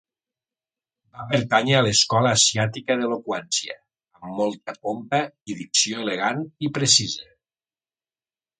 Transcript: Va pertànyer a l'escola asiàtica d'eloqüència, amb molta pompa i dicció elegant i precisa.